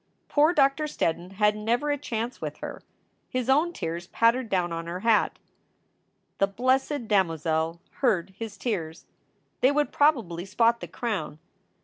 Poor Doctor Steddon had never a chance with her. His own tears pattered down on her hat. The blessed damozel "heard" his tears. They would probably spot the crown.